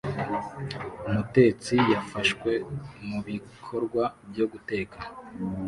Umutetsi yafashwe mubikorwa byo guteka